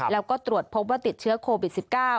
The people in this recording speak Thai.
แล้วก็ตรวจพบว่าติดเชื้อโควิด๑๙